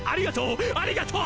ありがとう！